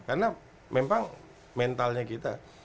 karena memang mentalnya kita